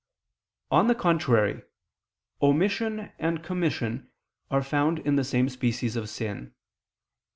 On the contrary, Omission and commission are found in the same species of sin.